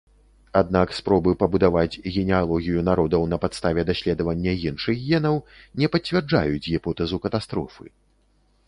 Аднак спробы пабудаваць генеалогію народаў на падставе даследавання іншых генаў не пацвярджаюць гіпотэзу катастрофы.